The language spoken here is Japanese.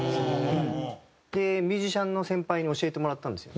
でミュージシャンの先輩に教えてもらったんですよ。